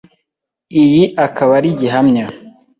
iyi akaba ari gihamya